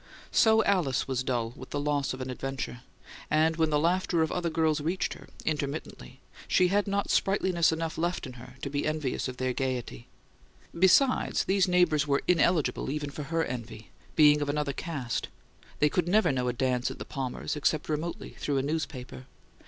So Alice was dull with the loss of an adventure; and when the laughter of other girls reached her, intermittently, she had not sprightliness enough left in her to be envious of their gaiety. Besides, these neighbours were ineligible even for her envy, being of another caste; they could never know a dance at the Palmers', except remotely, through a newspaper.